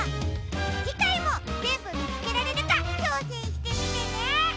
じかいもぜんぶみつけられるかちょうせんしてみてね！